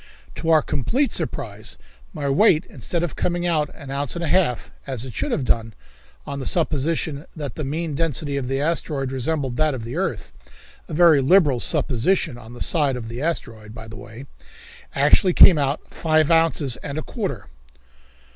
To our complete surprise, my weight, instead of coming out an ounce and a half, as it should have done, on the supposition that the mean density of the asteroid resembled that of the earth a very liberal supposition on the side of the asteroid, by the way actually came out five ounces and a quarter!